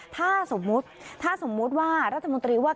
ถ้าสมมุติว่ารัฐมนตรีว่า